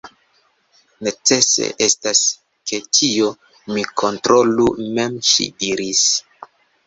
Necese estas, ke tion mi kontrolu mem, ŝi diris.